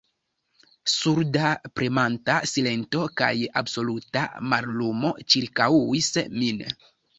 Surda, premanta silento kaj absoluta mallumo ĉirkaŭis min.